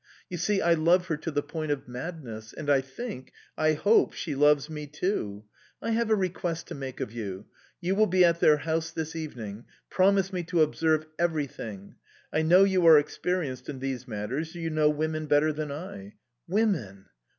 You see, I love her to the point of madness... and I think I hope she loves me too... I have a request to make of you. You will be at their house this evening; promise me to observe everything. I know you are experienced in these matters, you know women better than I... Women!